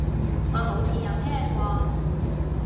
我好似有聽過